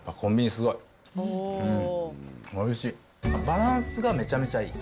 バランスがめちゃめちゃいい。